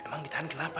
emang ditahan kenapa